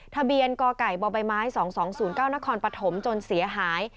ทะเบียนกไก่บใบไม้๒๒๐๙นครปฐมจนเสียหาย